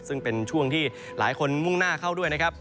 ซึ่งเป็นช่วงที่หลายคนมุ่งหน้าเข้าด้วยนะครับ